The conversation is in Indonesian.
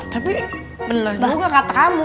tapi bener juga kata kamu